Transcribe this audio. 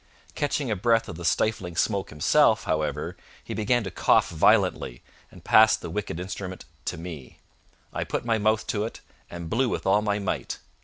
Catching a breath of the stifling smoke himself, however, he began to cough violently, and passed the wicked instrument to me. I put my mouth to it, and blew with all my might.